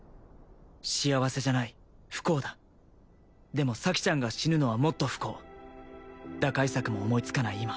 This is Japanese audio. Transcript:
幸せじゃない不幸だでも咲ちゃんが死ぬのはもっと不幸打開策も思いつかない